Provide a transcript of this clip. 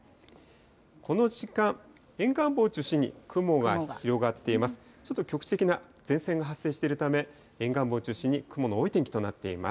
この時間、沿岸部を中心に雲が広がっています。